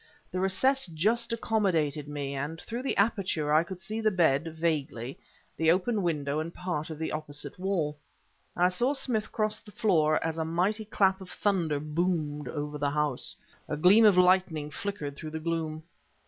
The recess just accommodated me, and through the aperture I could see the bed, vaguely, the open window, and part of the opposite wall. I saw Smith cross the floor, as a mighty clap of thunder boomed over the house. A gleam of lightning flickered through the gloom.